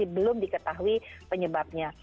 belum diketahui penyebabnya